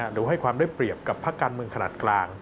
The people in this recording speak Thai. หรือให้ความได้เปรียบกับภาคการเมืองขนาดกลาง